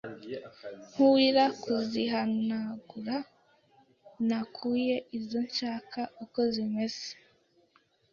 Nkuwira kuzihanagura nakuwiye izo nshaka uko zimeze